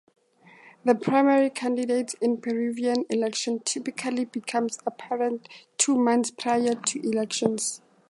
The primary candidates in Peruvian elections typically become apparent two months prior to elections.